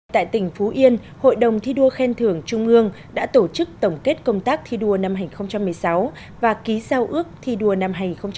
tại tỉnh phú yên hội đồng thi đua khen thưởng trung ương đã tổ chức tổng kết công tác thi đua năm hai nghìn một mươi sáu và ký giao ước thi đua năm hai nghìn một mươi chín